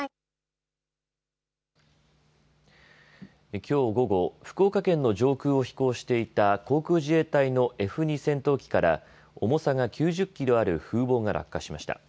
きょう午後、福岡県の上空を飛行していた航空自衛隊のＦ２戦闘機から重さが９０キロある風防が落下しました。